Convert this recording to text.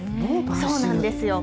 そうなんですよ。